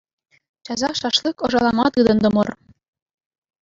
Часах шашлык ӑшалама тытӑнтӑмӑр.